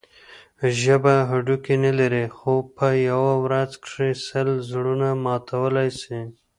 ژبه هډوکی نه لري؛ خو په یوه ورځ کښي سل زړونه ماتولای سي.